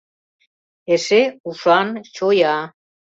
Эше — ушан, чоя.